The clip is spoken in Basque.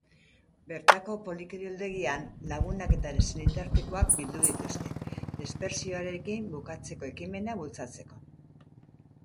Bertako polikiroldegian lagunak eta senitartekoak bildu dituzte, dispertsioarekin bukatzeko ekimena bultzatzeko.